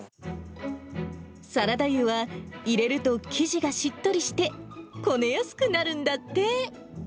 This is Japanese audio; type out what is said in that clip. サラダ油は入れると生地がしっとりして、こねやすくなるんだって。